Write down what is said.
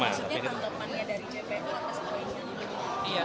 maksudnya penyebabnya dari jgp atau sebuah intanya